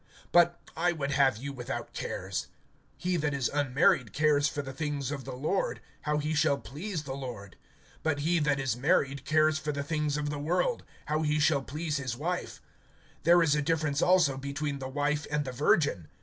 (32)But I would have you without cares. He that is unmarried cares for the things of the Lord, how he shall please the Lord; (33)but he that is married cares for the things of the world, how he shall please his wife. (34)There is a difference also between the wife and the virgin.